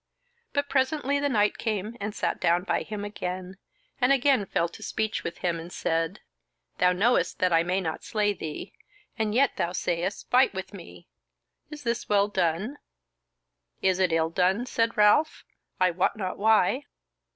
But presently the knight came and sat down by him again, and again fell to speech with him, and said: "Thou knowest that I may not slay thee, and yet thou sayest, fight with me; is this well done?" "Is it ill done?" said Ralph, "I wot not why."